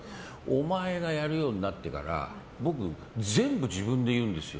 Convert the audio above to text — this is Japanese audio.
お前がやるようになってから僕、全部自分で言うんですよ。